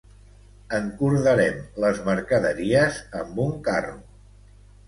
Encordarem les mercaderies amb un carro.